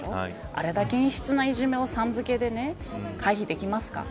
あれだけ陰湿ないじめをさん付けで回避できますか。